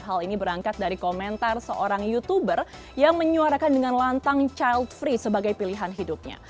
hal ini berangkat dari komentar seorang youtuber yang menyuarakan dengan lantang child free sebagai pilihan hidupnya